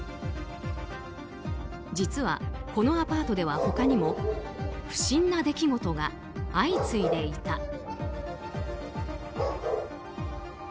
実はこのアパートでは他にも不審な出来事が相次いでいた。